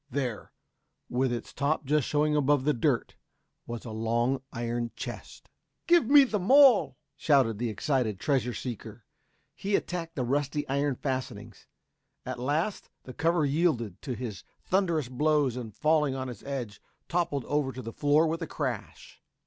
There, with it's top just showing above the dirt was a long iron chest. "Give me the maul!" shouted the excited treasure seeker. He attacked the rusty iron fastenings; at last the cover yielded to his thunderous blows and falling on its edge, toppled over to the floor with a crash.